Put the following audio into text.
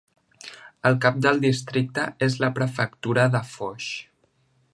El cap del districte és la prefectura de Foix.